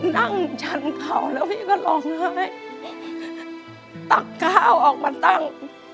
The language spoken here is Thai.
นั่งชั่นเข่าแล้วพี่ก็หล่องห้ายตั้งข้าวออกมาตั้ง